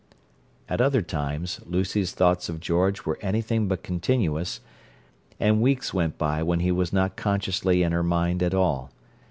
At other times Lucy's thoughts of George were anything but continuous, and weeks went by when he was not consciously in her mind at all.